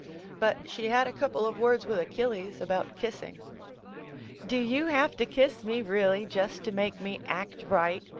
But she had a couple of words with Achilles about kissing. "Do you have to kiss me, really, just to make me act right?"